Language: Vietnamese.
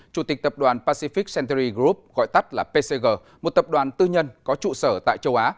chủ tịch tập đoàn pacific centery group gọi tắt là pcg một tập đoàn tư nhân có trụ sở tại châu á